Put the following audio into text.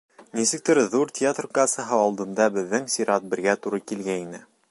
Нисектер, Ҙур театр кассаһы алдында беҙҙең сират бергә тура килгәйне.